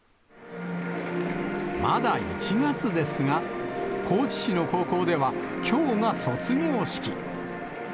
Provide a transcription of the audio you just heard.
まだ１月ですが、高知市の高校では、きょうが卒業式。